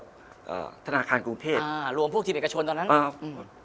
อ่าธนาคารกรุงเทพอ่ารวมพวกทีมเอกชนตอนนั้นครับอืม